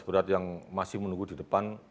berat yang masih menunggu di depan